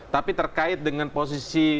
tapi terkait dengan posisi